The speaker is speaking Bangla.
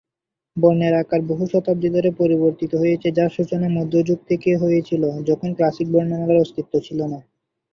বর্ণের আকার বহু শতাব্দী ধরে পরিবর্তিত হয়েছে, যার সূচনা মধ্যযুগ থেকে হয়েছিল, যখন ক্লাসিক বর্ণমালার অস্তিত্ব ছিল না।